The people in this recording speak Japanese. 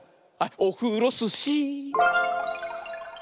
「オフロスシー」